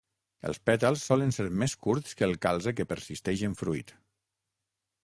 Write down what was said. Els pètals solen ser més curts que el calze que persisteix en fruit.